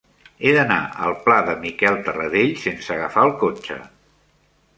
He d'anar al pla de Miquel Tarradell sense agafar el cotxe.